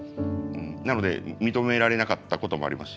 なので認められなかったこともありますし。